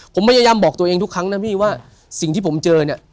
ผมพยายามบอกตัวเองทุกครั้งนะพี่ว่าสิ่งที่ผมเจอเนี่ย